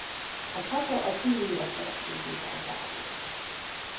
A csata az illírek vereségével zárult.